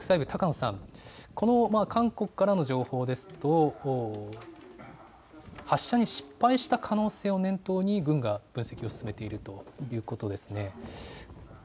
国際部、高野さん、韓国からの情報ですと発射に失敗した可能性を念頭に軍が分析を進めているということですね。